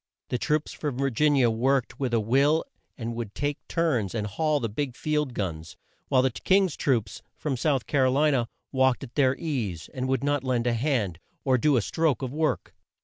The troops from Vir gin i a worked with a will and would take turns and haul the big field guns, while the King's troops, from South Car o li na, walked at their ease, and would not lend a hand, or do a stroke of work.